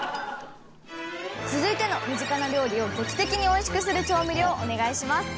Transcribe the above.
続いての身近な料理を劇的においしくする調味料お願いします。